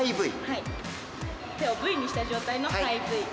手をＶにした状態のハイＶ。